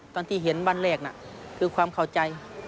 ตอนที่เห็นบ้านแรกน่ะคือความเข้าใจ